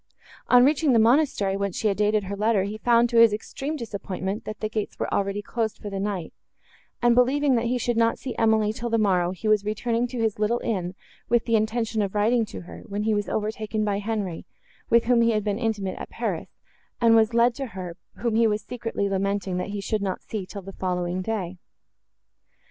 On reaching the monastery, whence she had dated her letter, he found, to his extreme disappointment, that the gates were already closed for the night; and believing, that he should not see Emily, till the morrow, he was returning to his little inn, with the intention of writing to her, when he was overtaken by Henri, with whom he had been intimate at Paris, and was led to her, whom he was secretly lamenting that he should not see, till the following day.